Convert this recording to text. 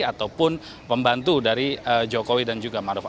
ataupun pembantu dari jokowi dan juga maruf a